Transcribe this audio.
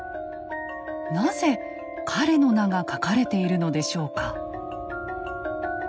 なぜ彼の名が書かれているのでしょうか？